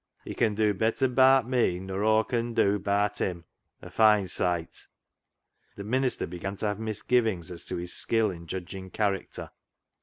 He can dew better ba'at me nor Aw con dew ba'at Him, a fine sight." The minister began to have misgivings as to his skill in judging character.